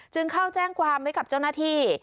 เข้าแจ้งความไว้กับเจ้าหน้าที่